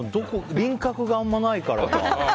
輪郭があまりないからか。